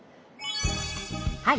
はい。